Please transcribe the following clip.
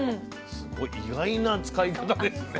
すごい意外な使い方ですね。